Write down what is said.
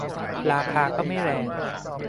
ราคาก็ไม่แรง